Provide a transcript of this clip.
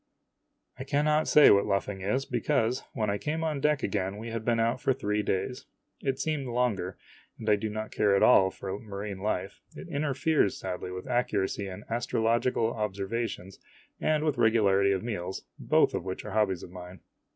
I cannot say what luffing is, because, when I came on deck again, we had been out for three days. It seemed longer, and I do not at all care for marine life it interferes sadly with accuracy in astrological observations and with regularity of meals, both of which are hobbies of mine.